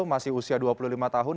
masih usia dua puluh lima tahun